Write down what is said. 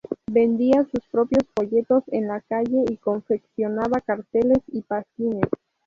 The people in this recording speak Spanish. Vendía sus propios folletos en la calle y confeccionaba carteles y pasquines.